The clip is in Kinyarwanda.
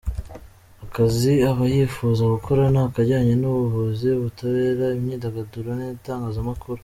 Akazi aba yifuza gukora ni akajyanye n’ubuvuzi, ubutabera, imyidagaduro n’itangazamakuru.